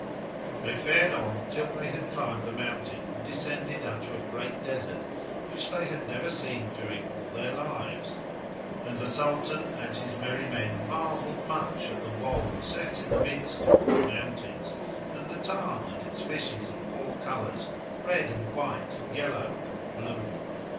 They fared on till they had climbed the mountain and descended unto a great desert which they had never seen during all their lives; and the Sultan and his merry men marvelled much at the wold set in the midst of four mountains, and the tarn and its fishes of four colours, red and white, yellow and blue.